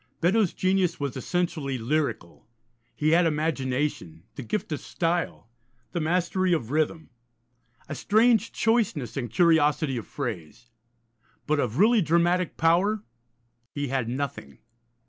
Beddoes' genius was essentially lyrical: he had imagination, the gift of style, the mastery of rhythm, a strange choiceness and curiosity of phrase. But of really dramatic power he had nothing.